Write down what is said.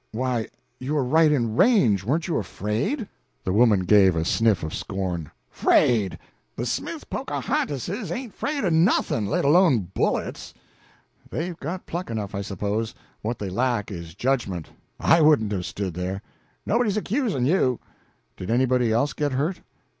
"Why, you were right in range! Weren't you afraid?" The woman gave a sniff of scorn. "'Fraid! De Smith Pocahontases ain't 'fraid o' nothin', let alone bullets." "They've got pluck enough, I suppose; what they lack is judgment. I wouldn't have stood there." "Nobody's accusin' you!" "Did anybody else get hurt?"